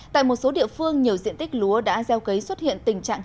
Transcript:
tại một số địa phương nhiều diện tích lúa đã gieo cấy xuất hiện tình trạng